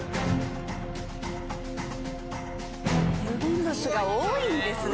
郵便物が多いんですね。